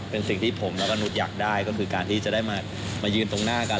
เป็นสิ่งที่ผมแล้วก็นุษย์อยากได้ก็คือการที่จะได้มายืนตรงหน้ากัน